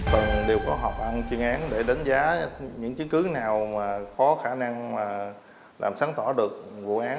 tầng đều có họp ăn chuyên án để đánh giá những chứng cứ nào có khả năng làm sáng tỏa được vụ án